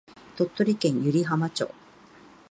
鳥取県湯梨浜町